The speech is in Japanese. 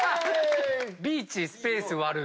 ビーチスペース割る。